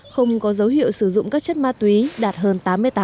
không có dấu hiệu sử dụng các chất ma túy đạt hơn tám mươi tám